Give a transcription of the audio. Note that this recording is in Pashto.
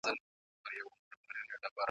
د جنون غرغړې مړاوي زولانه هغسي نه ده .